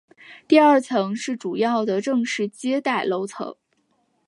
第二层是主要的正式接待楼层。